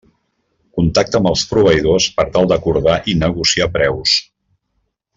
Contacta amb els proveïdors per tal d'acordar i negociar preus.